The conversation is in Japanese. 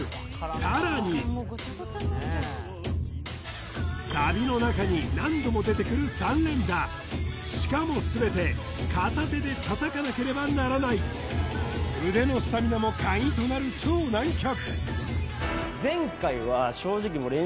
さらにサビの中に何度も出てくる３連打しかも全て片手で叩かなければならない腕のスタミナもカギとなる超難曲